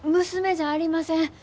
娘じゃありません。